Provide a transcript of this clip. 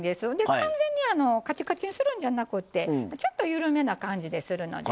完全にカチカチにするんじゃなくてちょっと緩めな感じでするのでね。